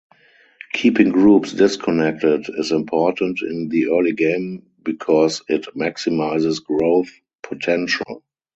Keeping groups disconnected is important in the early game because it maximizes growth potential.